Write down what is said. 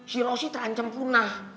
si rosie terancam punah